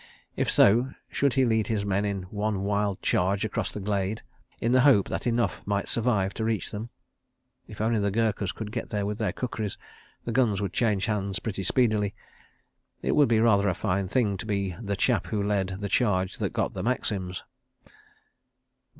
If so, should he lead his men in one wild charge across the glade, in the hope that enough might survive to reach them? If only the Gurkhas could get there with their kukris, the guns would change hands pretty speedily. ... It would be rather a fine thing to be "the chap who led the charge that got the Maxims."